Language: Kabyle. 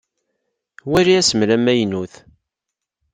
Wali asmel amaynut.